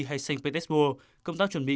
hay saint petersburg công tác chuẩn bị